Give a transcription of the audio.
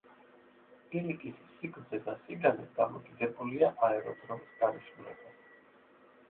ბილიკის სიგრძე და სიგანე დამოკიდებულია აეროდრომის დანიშნულებაზე.